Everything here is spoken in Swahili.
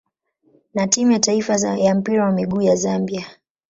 na timu ya taifa ya mpira wa miguu ya Zambia.